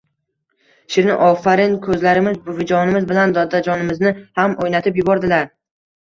Shirin: ofarin, kizlarimiz buvijonimiz bilan dodajinimizni ham o’ynatib yubordilar